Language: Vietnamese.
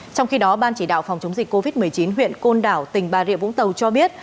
trong khi đó ban chỉ đạo phòng chống dịch covid một mươi chín huyện côn đảo tỉnh bà rịa vũng tàu cho biết